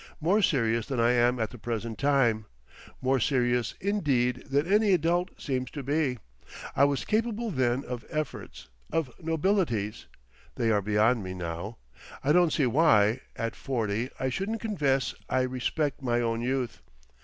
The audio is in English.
More serious than I am at the present time. More serious, indeed, than any adult seems to be. I was capable then of efforts—of nobilities.... They are beyond me now. I don't see why, at forty, I shouldn't confess I respect my own youth.